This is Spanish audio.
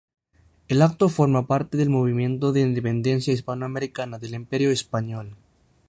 El acto forma parte del movimiento de independencia hispanoamericana del Imperio Español.